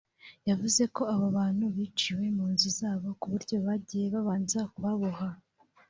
yavuze ko abo bantu biciwe mu nzu zabo ku buryo bagiye babanza kubaboha